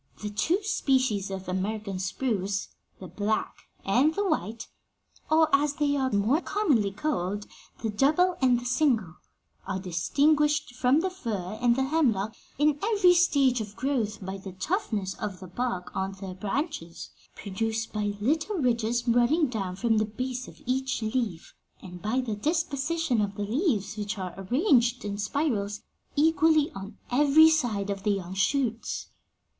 'The two species of American spruce, the black and the white or, as they are more commonly called, the double and the single are distinguished from the fir and the hemlock in every stage of growth by the roughness of the bark on their branches, produced by little ridges running down from the base of each leaf, and by the disposition of the leaves, which are arranged in spirals equally on every side of the young shoots.